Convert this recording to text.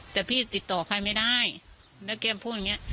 แต่พี่ติดต่อใครไม่ได้แล้วแกพูดอย่างเงี้